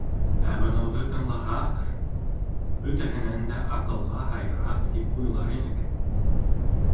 Ә бынауҙы тыңлаһаҡ... бөтәһенән дә аҡылға һайыраҡ, тип уйлар инек.